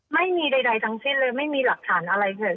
ไม่มีใดทั้งสิ้นเลยไม่มีหลักฐานอะไรเลย